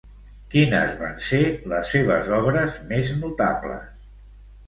Quines van ser les seves obres més notables?